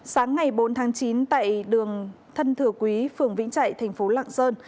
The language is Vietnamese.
sáng ngày bốn tháng chín tại đường thân thừa quý phường vĩnh trại thành phố lạng sơn